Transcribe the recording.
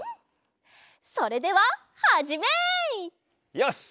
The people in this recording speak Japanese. それでははじめい！よし。